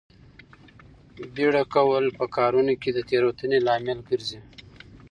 بیړه کول په کارونو کې د تېروتنې لامل ګرځي.